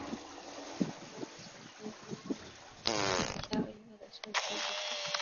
弗拉索夫曾参与一届奥运会的射击比赛。